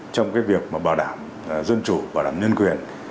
trong việc bảo đảm dân chủ bảo đảm nhân quyền